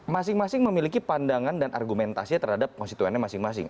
masing masing memiliki pandangan dan argumentasinya terhadap konstituennya masing masing